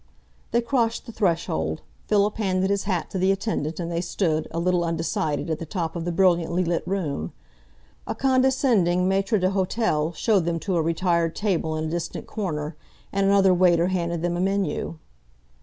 They crossed the threshold, Philip handed his hat to the attendant and they stood, a little undecided, at the top of the brilliantly lit room. A condescending maître d'hotel showed them to a retired table in a distant corner, and another waiter handed them a menu.